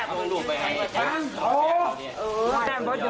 ได้ลูกเหรอคะ